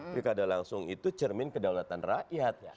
pilkada langsung itu cermin kedaulatan rakyat